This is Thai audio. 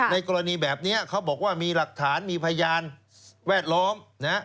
ในกรณีแบบนี้เขาบอกว่ามีหลักฐานมีพยานแวดล้อม